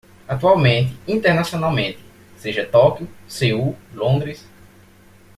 Atualmente internacionalmente, seja Tóquio, Seul, Londres